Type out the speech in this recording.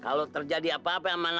kalau terjadi apa lo mau jalan ke belanda